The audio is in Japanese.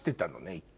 一回。